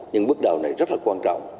nhưng bước đào này rất là quan trọng